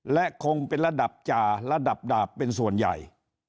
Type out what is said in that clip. และคงเป็นระดับจ่าระดับดาบเป็นส่วนใหญ่